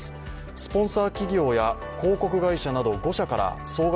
スポンサー企業や広告会社など５社から総額